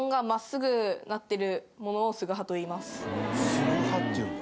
「すぐは」っていうんだ。